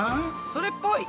それっぽい。